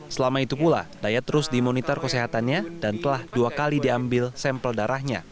selama itu pula dayat terus dimonitor kesehatannya dan telah dua kali diambil sampel darahnya